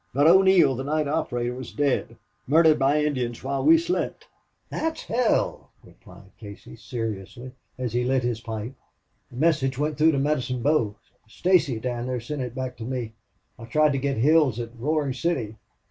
But O'Neil, the night operator, was dead. Murdered by Indians while we slept." "Thot's hell!" replied Casey, seriously, as he lit his pipe. "The message went through to Medicine Bow. Stacey down there sent it back to me. I tried to get Hills at Roaring City.